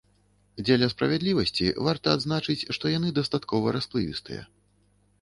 Дзеля справядлівасці, варта адзначыць, што яны дастаткова расплывістыя.